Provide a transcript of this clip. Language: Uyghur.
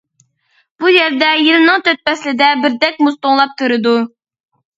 بۇ يەردە يىلنىڭ تۆت پەسلىدە بىردەك مۇز توڭلاپ تۇرىدۇ.